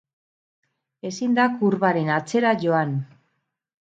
Ezin da kurbaren atzera joan.